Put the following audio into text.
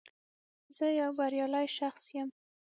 زه یو بریالی شخص یم